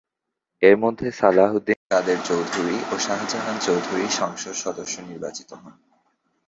এর মধ্যে সালাহ উদ্দিন কাদের চৌধুরী ও শাহজাহান চৌধুরী সংসদ সদস্য নির্বাচিত হন।